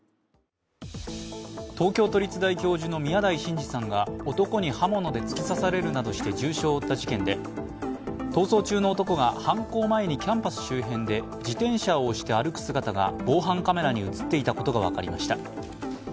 東京都立大教授の宮台真司さんが男に刃物で突き刺されるなどして重傷を負った事件で逃走中の男が犯行前にキャンパス周辺で自転車を押して歩く姿が防犯カメラに映っていたことが分かりました。